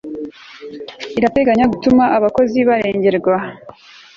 irateganya gutuma abakozi barengerwa